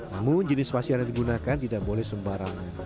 namun jenis pasir yang digunakan tidak boleh sembarang